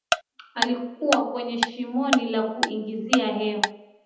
alikuwa kwenye shimoni la kuingizia hewa